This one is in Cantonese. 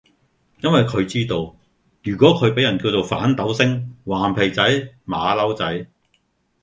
因為佢知道，如果佢俾人叫做反鬥星，頑皮仔，馬騮仔